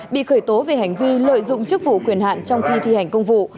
bị khởi tố về hành vi lợi dụng chức vụ quyền hạn trong khi thi hành công vụ